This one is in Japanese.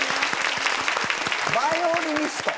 バイオリニスト。